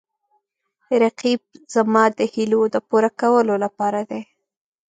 رقیب زما د هیلو د پوره کولو لپاره دی